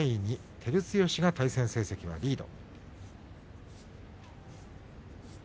照強が対戦成績リード。